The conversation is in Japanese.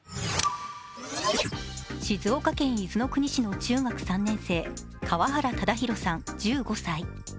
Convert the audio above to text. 静岡県伊豆の国市の中学３年生・川原唯滉さん、１５歳。